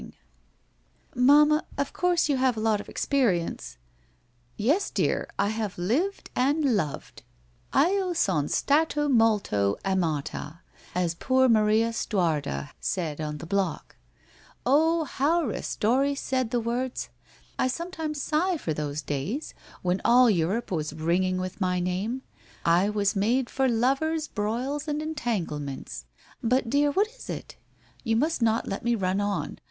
■ 177 lg 178 WHITE ROSE OF WEARY LEAF ' Mamma, of course you have a lot of experience '' Yes, dear, I have lived aud loved, Io son stato molto amaia, as poor Maria Stuarda said on the block. Oh, how Kistori said the words! I sometimes sigh for those days, when all Europe was ringing with my name. I was made for lovers broils and entanglements. But dear, what is it? You must not let me run on.